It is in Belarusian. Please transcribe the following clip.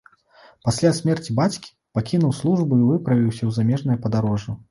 Пасля смерці бацькі пакінуў службу і выправіўся ў замежнае падарожжа.